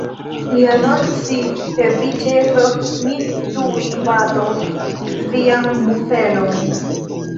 Li anoncis; "Se vi ne ĉesos, mi tuj batos vian muzelon!".